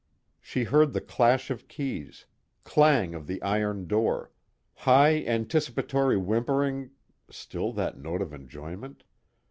She heard the clash of keys, clang of the iron door, high anticipatory whimpering (still that note of enjoyment?)